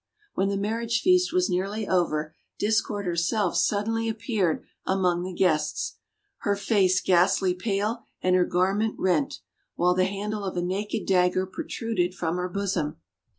When the marriage feast was nearly over, Discord herself suddenly appeared among the guests, her face ghastly pale, and her garment rent, while the handle of a naked dagger pro truded from her bosom.